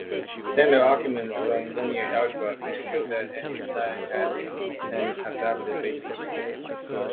Standard arguments from linear algebra can show that any flag has an adapted basis.